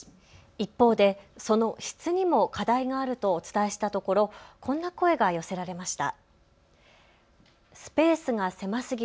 一方でその質にも課題があるとお伝えしたところこんな声が寄せられました。